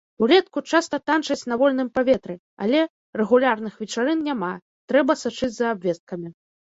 Улетку часта танчаць на вольным паветры, але рэгулярных вечарын няма, трэба сачыць за абвесткамі.